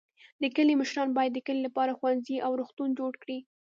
د کلي مشران باید د کلي لپاره ښوونځی او روغتون جوړ کړي.